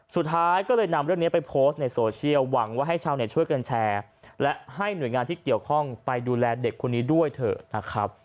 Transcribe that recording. สุดท้ายก็เลยนำเรื่องนี้ไปโพสต์ในโซเชียลหวังว่าให้ชาวเน็ตช่วยกันแชร์และให้หน่วยงานที่เกี่ยวข้องไปดูแลเด็กคนนี้ด้วยเถอะนะครับ